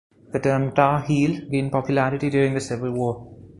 The term "Tar Heel" gained popularity during the Civil War.